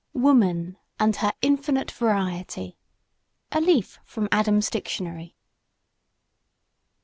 ..] WOMAN AND HER INFINITE VARIETY (A LEAF FROM ADAM'S DICTIONARY.)